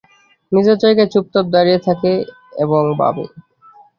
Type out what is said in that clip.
নিজের জায়গায় চুপচাপ দাঁড়িয়ে থাকে, এবং ভাবে।